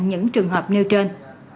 những trường hợp nêu trên